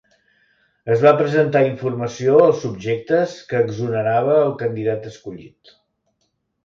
Es va presentar informació als subjectes que exonerava el candidat escollit.